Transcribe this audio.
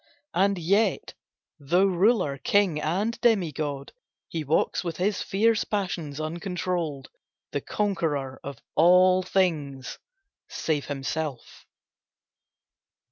And yet, though ruler, king and demi god, He walks with his fierce passions uncontrolled, The conqueror of all things—save himself.